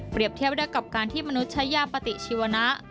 เทียบได้กับการที่มนุษย์ใช้ยาปฏิชีวนะ